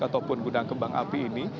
ataupun gudang kembang api ini